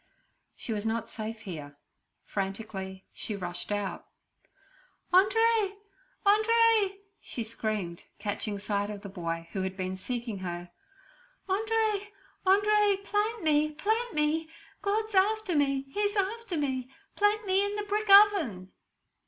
She was not safe here; frantically she rushed out. 'Andree, Andree!' she screamed, catching sight of the boy, who had been seeking her. 'Andree, Andree, plant me, plant me! God's after me; He's after me! Plant me in the brick oven!'